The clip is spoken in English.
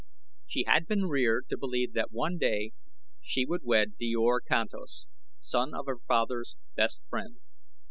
She had been reared to believe that one day she should wed Djor Kantos, son of her father's best friend.